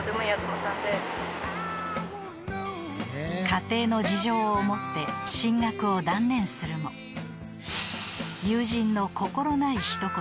［家庭の事情をもって進学を断念するも友人の］